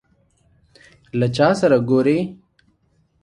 له چا سره ګورې ؟